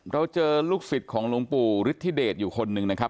เราเจอลูกศิษย์ของหลวงปู่ฤทธิเดชอยู่คนหนึ่งนะครับ